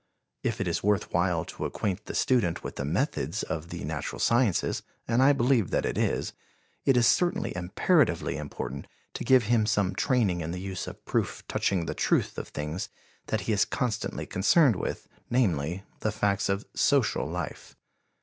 If it is worth while to acquaint the student with the methods of the natural sciences and I believe that it is it is certainly imperatively important to give him some training in the use of proof touching the truth of things that he is constantly concerned with, namely, the facts of social life.